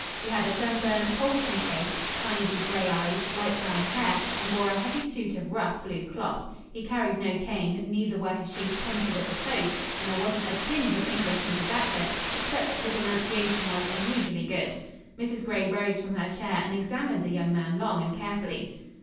He had a sunburned, wholesome face, kindly gray eyes, light brown hair, and wore a heavy suit of rough, blue cloth. He carried no cane; neither were his shoes pointed at the toes, and there wasn't a tinge of English in his accent except that his enunciation was unusually good. Mrs. Gray rose from her chair and examined the young man long and carefully.